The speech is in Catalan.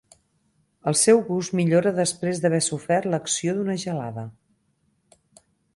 El seu gust millora després d'haver sofert l'acció d'una gelada.